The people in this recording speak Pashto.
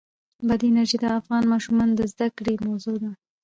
بادي انرژي د افغان ماشومانو د زده کړې موضوع ده.